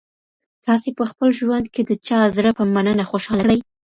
تاسي په خپل ژوند کي د چا زړه په مننه خوشاله کړی؟